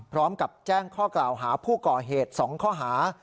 พร้อมกับแจ้งข้อกล่าวหาผู้ก่อเหตุ๒ข้อหา